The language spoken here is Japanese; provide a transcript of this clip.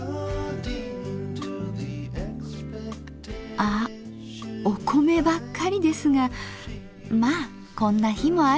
あっお米ばっかりですがまあこんな日もあるよね。